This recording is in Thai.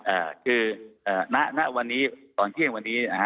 อ่าคือเอ่อณณวันนี้ตอนเที่ยงวันนี้นะฮะ